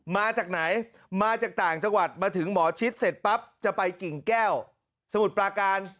มาจากไหนมาจากต่างจังหวัดมาถึงหมอชิดเสร็จปั๊บจะไปกิ่งแก้วสมุทรปราการ